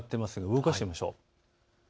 動かしてみましょう。